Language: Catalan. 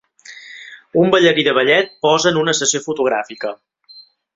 Un ballarí de ballet posa en una sessió fotogràfica.